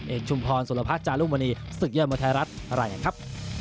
เอนชุมพรสุรพัชย์จารุมณีศึกเยื่อมธรรมไทยรัฐอะไรอย่างนี้ครับ